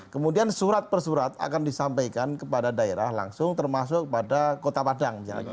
kemudian surat persurat akan disampaikan kepada daerah langsung termasuk pada kota padang misalnya